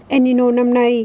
el nino năm nay